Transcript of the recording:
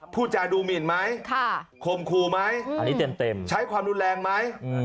พูดจาดูหมินไหมคมครูไหมอันนี้เต็มใช้ความรุนแรงไหม